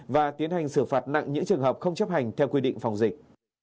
và tiến hành xử phạt nặng những trường hợp không chấp hành theo quy định phòng dịch